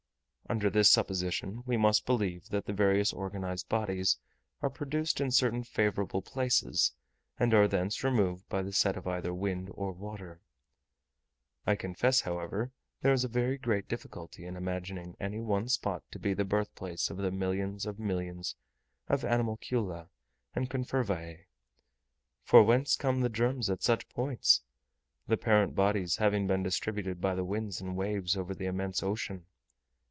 Under this supposition we must believe that the various organized bodies are produced in certain favourable places, and are thence removed by the set of either wind or water. I confess, however, there is a very great difficulty in imagining any one spot to be the birthplace of the millions of millions of animalcula and confervae: for whence come the germs at such points? the parent bodies having been distributed by the winds and waves over the immense ocean.